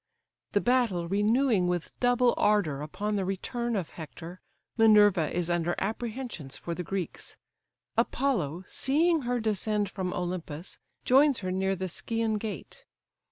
The battle renewing with double ardour upon the return of Hector, Minerva is under apprehensions for the Greeks. Apollo, seeing her descend from Olympus, joins her near the Scæan gate.